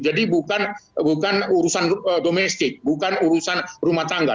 bukan urusan domestik bukan urusan rumah tangga